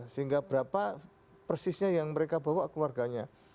sehingga berapa persisnya yang mereka bawa keluarganya